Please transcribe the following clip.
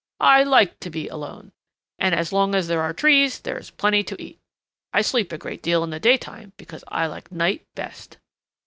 I like to be alone. And as long as there are trees, there is plenty to eat. I sleep a great deal in the daytime because I like night best."